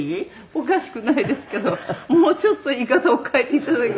おかしくないですけどもうちょっと言い方を変えて頂けませんでしょうか。